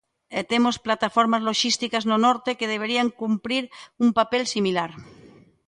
E temos plataformas loxísticas no norte que deberían cumprir un papel similar.